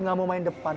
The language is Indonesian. nggak mau main depan